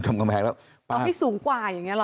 เอาให้สูงกว่าอย่างนี้หรอค่ะ